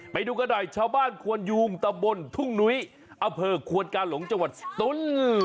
ไปดูกันหน่อยชาวบ้านควนยูงตำบลทุ่งนุ้ยอำเภอควนกาหลงจังหวัดตุ้น